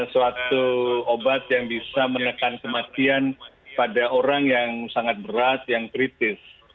suatu obat yang bisa menekan kematian pada orang yang sangat berat yang kritis